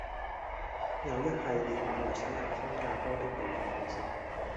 有一系列馬來西亞、新加坡的地道美食